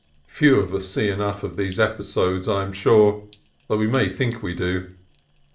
Few of us see enough of those episodes, I am sure, though we may think we do.